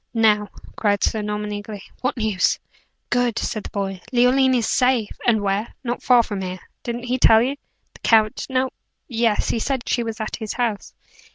"Now," cried Sir Norman, eagerly, "what news?" "Good!" said the boy. "Leoline is safe!" "And where?" "Not far from here. Didn't he tell you?" "The count? No yes; he said she was at his house."